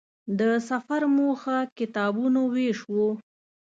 د سفر موخه کتابونو وېش و.